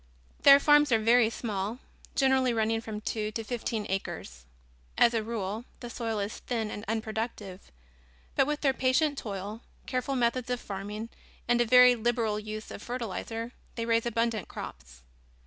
Their farms are very small, generally running from two to fifteen acres. As a rule, the soil is thin and unproductive, but with their patient toil, careful methods of farming and a very liberal use of fertilizer they raise abundant crops.